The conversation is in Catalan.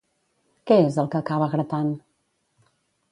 Què és el que acabava gratant?